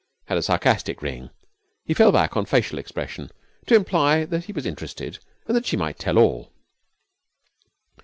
had a sarcastic ring. He fell back on facial expression, to imply that he was interested and that she might tell all.